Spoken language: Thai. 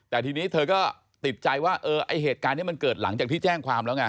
แต่ทีนี้เธอก็ติดใจว่าเออไอ้เหตุการณ์นี้มันเกิดหลังจากที่แจ้งความแล้วไง